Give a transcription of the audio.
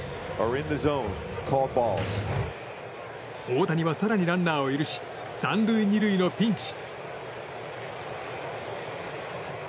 大谷は更にランナーを許し３塁２塁のピンチ。